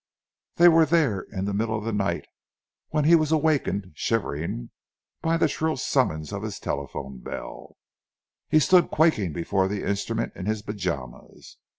They were there in the middle of the night when he was awakened, shivering, by the shrill summons of his telephone bell. He stood quaking before the instrument in his pajamas.